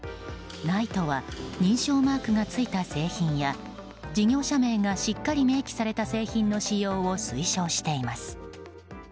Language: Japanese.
ＮＩＴＥは認証マークがついた製品や事業者名がしっかり明記された製品の使用を推奨しています。